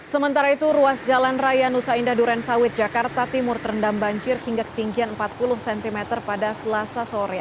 sementara itu ruas jalan raya nusa indah duren sawit jakarta timur terendam banjir hingga ketinggian empat puluh cm pada selasa sore